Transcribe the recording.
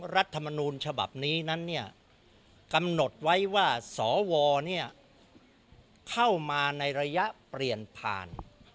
รัฐมนูลฉบับนี้นั้นเนี่ยกำหนดไว้ว่าสวเข้ามาในระยะเปลี่ยนผ่าน